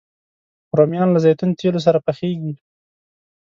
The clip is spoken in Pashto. رومیان له زیتون تېلو سره پخېږي